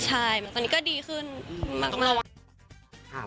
ใช่ตอนนี้ก็ดีขึ้นมาก